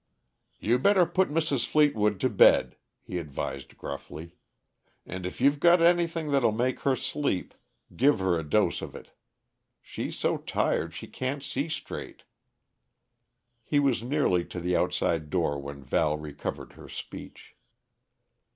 "You better put Mrs. Fleetwood to bed," he advised gruffly. "And if you've got anything that'll make her sleep, give her a dose of it. She's so tired she can't see straight." He was nearly to the outside door when Val recovered her speech.